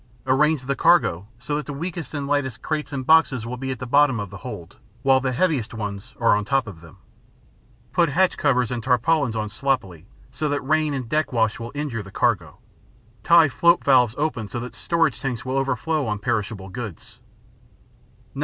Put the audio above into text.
Arrange the cargo so that the weakest and lightest crates and boxes will be at the bottom of the hold, while the heaviest ones are on top of them. Put hatch covers and tarpaulins on sloppily, so that rain and deck wash will injure the cargo. Tie float valves open so that storage tanks will overflow on perishable goods.